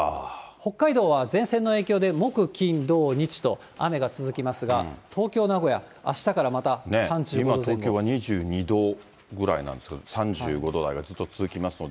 北海道は前線の影響で木、金、土、日と雨が続きますが、東京、名古屋、今、東京は２２度ぐらいなんですけど、３５度台がずっと続きますので。